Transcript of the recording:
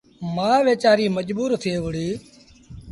مآ ويچآريٚ مجبور ٿئي وهُڙيٚ